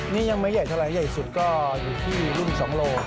นี่ยังไม่ใหญ่เท่าไรใหญ่สุดก็อยู่ที่รุ่น๒โล